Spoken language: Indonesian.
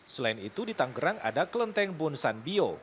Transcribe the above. selain itu di tanggerang ada kelenteng bonsan bio